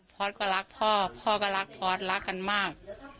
พอสก็รักพ่อพ่อก็รักพอร์ตรักกันมาก